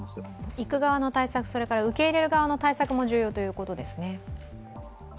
行く側の対策、受け入れ側の対策も重要ということですね。